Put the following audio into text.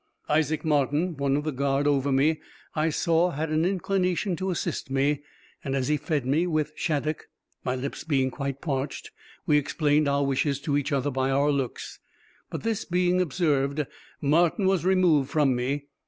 Isaac Martin, one of the guard over me, I saw had an inclination to assist me, and, as he fed me with shaddock (my lips being quite parched), we explained our wishes to each other by our looks; but this being observed, Martin was removed from me.